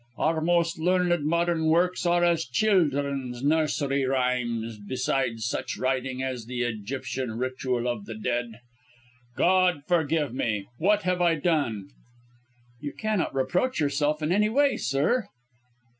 Our most learned modern works are as children's nursery rhymes beside such a writing as the Egyptian Ritual of the Dead! God forgive me! What have I done!" "You cannot reproach yourself in any way, sir!"